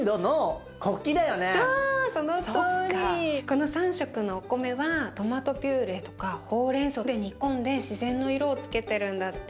この３色のお米はトマトピューレとかほうれんそうで煮込んで自然の色をつけてるんだって。